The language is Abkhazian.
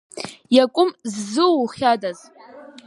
Иакәым ззызухьадаз?